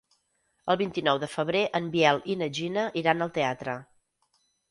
El vint-i-nou de febrer en Biel i na Gina iran al teatre.